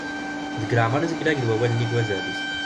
Deg leɛmer izleg-ak-d wawal nnig wazal-is.